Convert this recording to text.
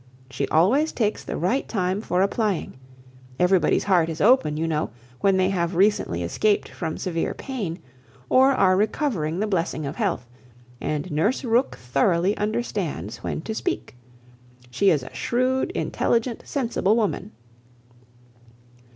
She always takes the right time for applying. Everybody's heart is open, you know, when they have recently escaped from severe pain, or are recovering the blessing of health, and Nurse Rooke thoroughly understands when to speak. She is a shrewd, intelligent, sensible woman.